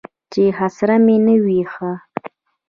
چې خسر مې نه وي ښه.